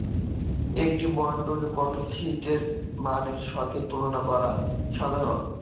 একটি বন্টনের কার্টোসিসকে এই মানের সাথে তুলনা করা সাধারণ।